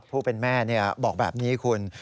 ผู้เป็นแม่บอกแบบนี้คุณ